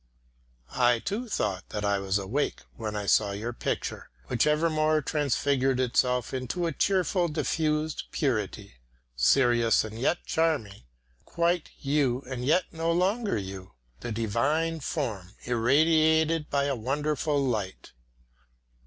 I too thought that I was awake when I saw your picture, which evermore transfigured itself into a cheerful diffused purity. Serious and yet charming, quite you and yet no longer you, the divine form irradiated by a wonderful light!